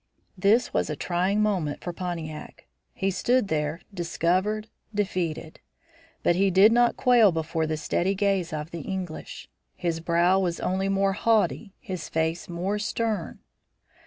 This was a trying moment for Pontiac. He stood there discovered, defeated. But he did not quail before the steady gaze of the English. His brow was only more haughty, his face more stern.